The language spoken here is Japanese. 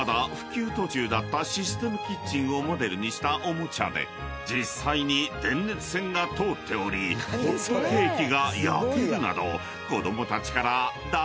途中だったシステムキッチンをモデルにしたおもちゃで実際に電熱線が通っておりホットケーキが焼けるなど子供たちから大好評！］